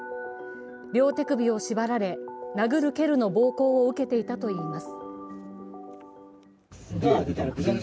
両手首を縛られ、殴る・蹴るの暴行を受けていたといいます。